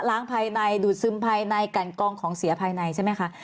ภายในดูดซึมภายในกันกองของเสียภายในใช่ไหมคะ